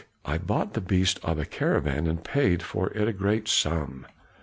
I bought the beast of a caravan and paid for it a great sum."